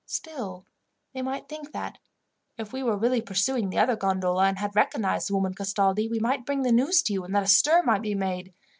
Still, they might think that, if we were really pursuing the other gondola, and had recognized the woman Castaldi, we might bring the news to you, and that a stir might be made.